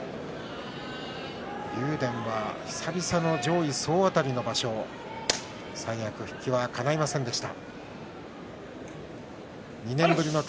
竜電は久々の上位総当たりの場所三役復帰はかないませんでした。